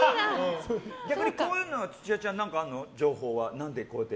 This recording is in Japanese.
逆にこういうのは土屋ちゃん、情報ある？